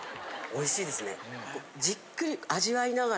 おいしいですね。